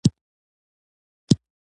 • نوي ټیکنالوژۍ ساختماني کارونه چټک کړل.